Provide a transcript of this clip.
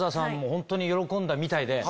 本当に喜んだみたいで。